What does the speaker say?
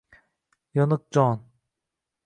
yoniq jon.